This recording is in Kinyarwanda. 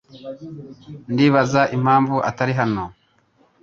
Ndibaza impamvu atari hano.